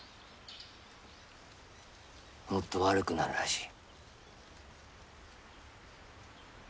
もっと悪くなるらしい。